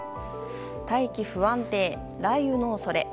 大気不安定、雷雨の恐れ。